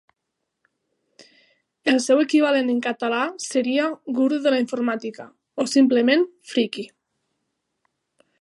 El seu equivalent en català seria guru de la informàtica, o simplement friqui.